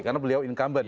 karena beliau incumbent